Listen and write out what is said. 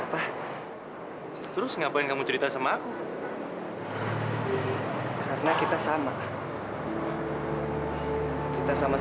kok ros ke belum dateng ya